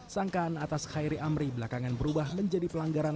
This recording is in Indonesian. sangkaan atas khairi amri belakangan berubah menjadi pelanggaran